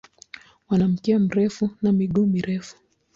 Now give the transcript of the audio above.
Wana mkia mrefu na miguu mirefu.